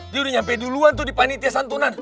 dia udah nyampe duluan tuh di panitia santunan